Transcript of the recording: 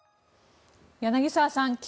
柳澤さん